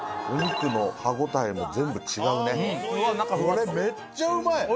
これめっちゃうまい。